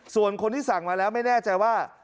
ส่วนคนที่สั่งมาแล้วไม่แน่ใจว่า